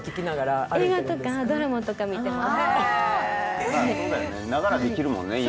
映画とかドラマとか見てます。